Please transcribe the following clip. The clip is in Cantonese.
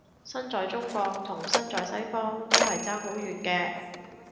身在中國同身在西方都係爭好遠嘅